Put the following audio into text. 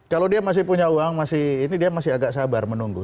kalau dia masih punya uang masih ini dia masih agak sabar menunggu